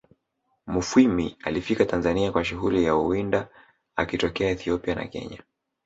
Mufwimi alifika Tanzania kwa shughuli ya uwinda akitokea Ethiopia na kenya